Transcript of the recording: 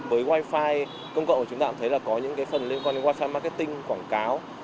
với wifi công cộng của chúng ta cũng thấy có những phần liên quan đến wifi marketing quảng cáo